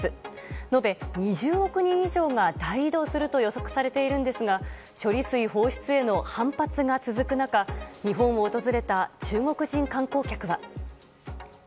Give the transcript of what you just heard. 延べ２０億人以上が大移動すると予測されているんですが処理水放出への反発が続く中日本を訪れた中国人観光客は。